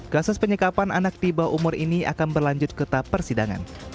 kasus penyekapan anak tiba umur ini akan berlanjut ke tap persidangan